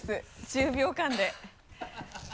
１０秒間で。